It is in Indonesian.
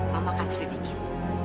mama kan sedikit